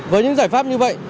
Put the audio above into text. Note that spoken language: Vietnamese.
với những giải pháp như vậy